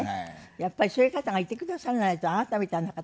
やっぱりそういう方がいてくださらないとあなたみたいな方はダメですよ。